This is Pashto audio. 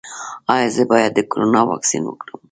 ایا زه باید د کرونا واکسین وکړم؟